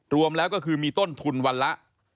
รวมแล้วก็คือมีต้นทุนวันละ